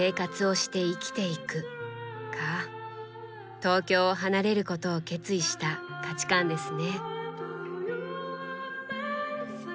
東京を離れることを決意した価値観ですね。